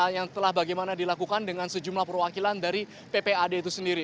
yang telah bagaimana dilakukan dengan sejumlah perwakilan dari ppad itu sendiri